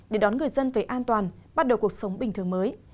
để đón người dân về an toàn bắt đầu cuộc sống bình thường mới